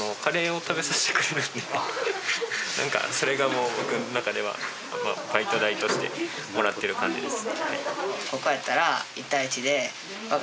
なんかそれが僕の中ではバイト代としてもらってる感じです。